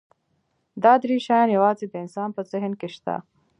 دا درې شیان یواځې د انسان په ذهن کې شته.